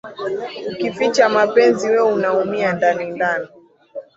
Ukificha mapenzi wee unaumia ndani ndani